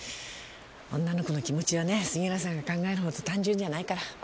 女の子の気持ちはねぇ杉浦さんが考えるほど単純じゃないから。